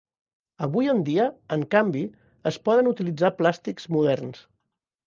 Avui en dia, en canvi, es poden utilitzar plàstics moderns.